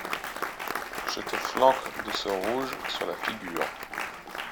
Je te flanque de ce rouge sur la figure.